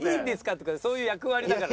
っていうかそういう役割だから。